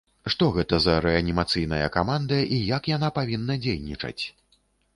Што гэта за рэанімацыйная каманда і як яна павінна дзейнічаць?